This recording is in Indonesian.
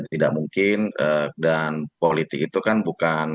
tidak mungkin dan politik itu kan bukan